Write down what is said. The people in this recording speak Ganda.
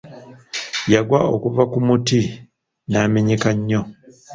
Yagwa okuva ku muti n'amenyeka nnyo.